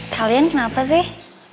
kalian kenapa sih